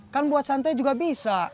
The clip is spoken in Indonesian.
kan buat santai juga bisa